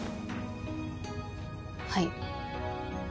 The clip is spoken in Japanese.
はい。